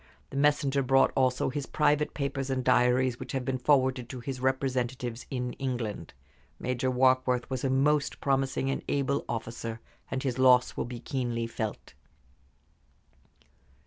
The messenger brought also his private papers and diaries, which have been forwarded to his representatives in England. Major Warkworth was a most promising and able officer, and his loss will be keenly felt."